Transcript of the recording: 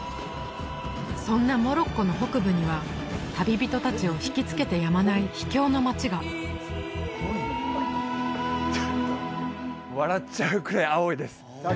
そんなモロッコの北部には旅人達を引きつけてやまない秘境の街がちょっと笑っちゃうくらい青いです